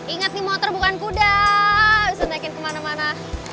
inget nih motor bukan kuda bisa naikin kemana mana